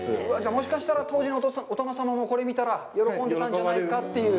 もしかしたら、当時のお殿様もこれを見たら喜んでたんじゃないかという。